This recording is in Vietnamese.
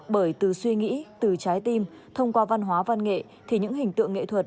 bởi từ suy nghĩ từ trái tim thông qua văn hóa văn nghệ thì những hình tượng nghệ thuật